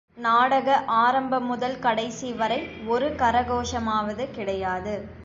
நாடக ஆரம்ப முதல் கடைசிவரை ஒரு கரகோஷமாவது கிடையாது!